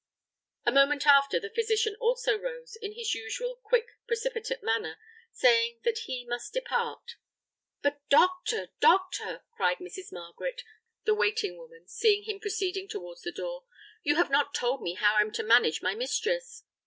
A moment after, the physician also rose, in his usual, quick, precipitate manner, saying that he must depart. "But, doctor! doctor!" cried Mrs. Margaret, the waiting woman, seeing him proceeding towards the door, "you have not told me how I am to manage my mistress."